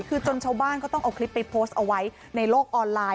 คือจนชาวบ้านก็ต้องเอาคลิปไปโพสต์เอาไว้ในโลกออนไลน